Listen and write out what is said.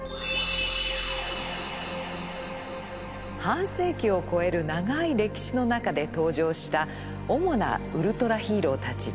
半世紀をこえる長い歴史の中で登場した主なウルトラヒーローたちです。